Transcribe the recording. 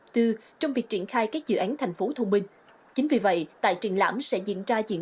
tư trong việc triển khai các dự án thành phố thông minh chính vì vậy tại triển lãm sẽ diễn ra diễn